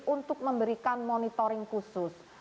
untuk memberikan monitoring khusus